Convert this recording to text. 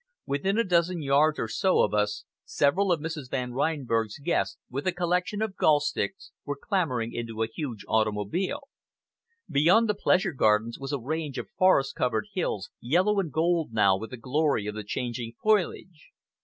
Within a dozen yards or so of us, several of Mrs. Van Reinberg's guests, with a collection of golf sticks, were clambering into a huge automobile. Beyond the pleasure gardens was a range of forest covered hills, yellow and gold now with the glory of the changing foliage.